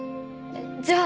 じゃあ。